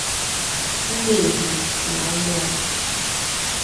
Ụmụeje na Ọmọr